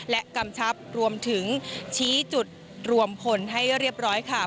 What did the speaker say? และกำชับรวมถึงชี้จุดรวมพลให้เรียบร้อยค่ะ